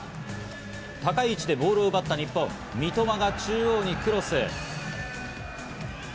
高い位置でボールを奪った日本、三笘が中央にクロス。